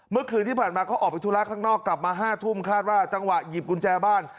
เมื่อคืนที่ผ่านมาเขาออกไปธุระข้างนอกกลับมา๕ทุ่มคาดว่าจังหวะหยิบกุญแจบ้าน